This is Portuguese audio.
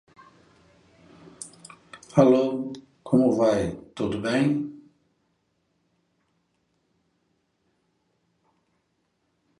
Marketing envolve marketing.